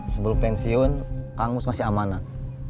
sebelum pensiun kang mus masih amanat